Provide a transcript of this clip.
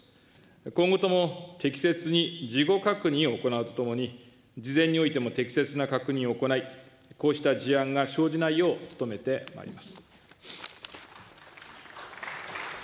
今後とも適切に事後確認を行うとともに、事前においても適切な確認を行い、こうした事案が生じないよう努めてまいります。